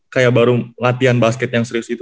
kayak baru latihan basket yang serius itu